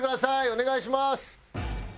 お願いします！